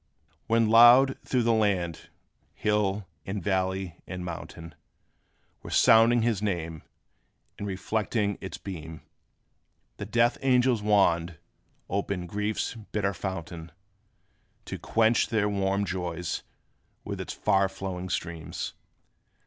When loud, through the land, hill and valley and mountain Were sounding his name, and reflecting its beams, The death angel's wand opened griefs bitter fountain, To quench their warm joys with its far flowing streams.